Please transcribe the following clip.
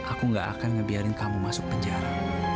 aku gak akan ngebiarin kamu masuk penjara